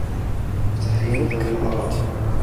وَتَحْرِيفُ ذَوِي الْآرَاءِ